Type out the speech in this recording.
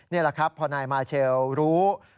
นี่แหละครับพอนายมาเชลรู้